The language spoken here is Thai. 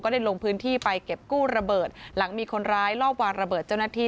ได้ลงพื้นที่ไปเก็บกู้ระเบิดหลังมีคนร้ายลอบวางระเบิดเจ้าหน้าที่